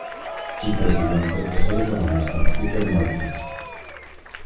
Su presidente es el economista Peter Mertens.